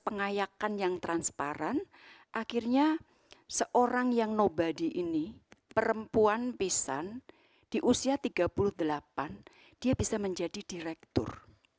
dan dengan proses yang transparan akhirnya seorang yang nobody ini perempuan pisan di usia tiga puluh delapan dia bisa menjadi direktur